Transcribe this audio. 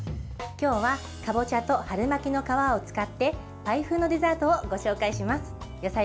今日は、かぼちゃと春巻きの皮を使ってパイ風のデザートをご紹介します。